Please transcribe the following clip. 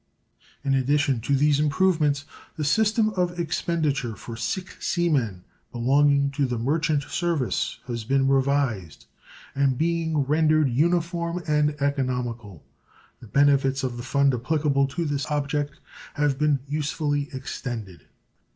In addition to these improvements the system of expenditure for sick sea men belonging to the merchant service has been revised, and being rendered uniform and economical the benefits of the fund applicable to this object have been usefully extended.